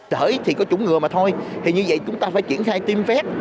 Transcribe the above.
sởi thì có chủng ngừa mà thôi thì như vậy chúng ta phải triển khai tiêm phép